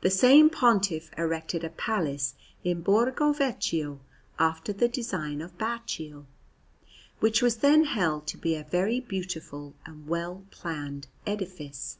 The same Pontiff erected a palace in Borgo Vecchio after the design of Baccio, which was then held to be a very beautiful and well planned edifice.